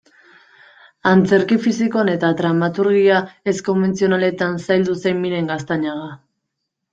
Antzerki fisikoan eta dramaturgia ez-konbentzionaletan zaildu zen Miren Gaztañaga.